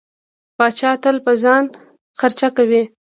پاچا تل په ځان خرچه کوي.